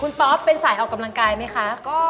คุณป๊อปเป็นสายออกกำลังกายไหมคะ